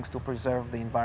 untuk memelihara alam